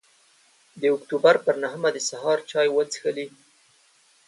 د اکتوبر پر نهمه د سهار چای وڅښلې.